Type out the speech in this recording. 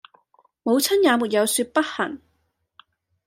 母親也沒有説不行。